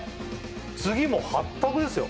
次もう８択ですよ